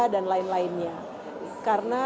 dan lain lainnya karena